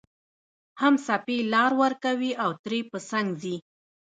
هم څپې لار ورکوي او ترې په څنګ ځي